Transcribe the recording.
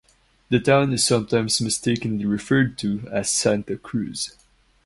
The town is sometimes mistakenly referred to as Santa Cruz.